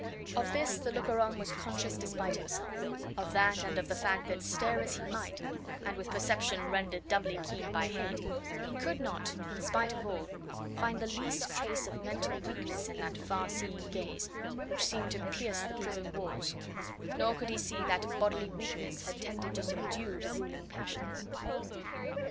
Of this the looker on was conscious despite himself, of that and of the fact that stare as he might, and with perception rendered doubly keen by hate, he could not, in spite of all, find the least trace of mental weakness in that far seeing gaze which seemed to pierce the prison walls, nor could he see that bodily weakness had tended to subdue the ruling passions.